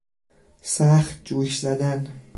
سخت جوش زدن